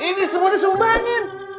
ini semua disumbangin